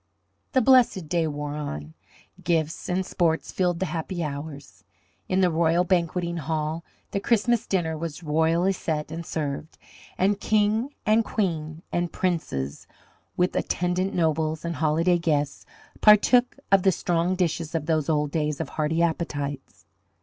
The "blessed day" wore on. Gifts and sports filled the happy hours. In the royal banqueting hall the Christmas dinner was royally set and served, and King and Queen and Princes, with attendant nobles and holiday guests, partook of the strong dishes of those old days of hearty appetites.